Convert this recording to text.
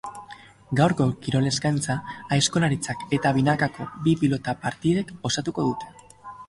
Gaurko kirol eskaintza aizkolaritzak eta binakako bi pilota partidek osatuko dute.